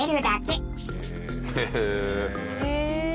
へえ。